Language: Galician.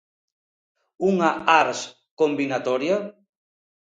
Unha "ars combinatoria"?